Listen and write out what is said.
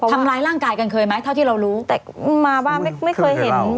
ทำร้ายร่างกายกันเคยไหมเท่าที่เรารู้แต่มาว่าไม่เคยเห็น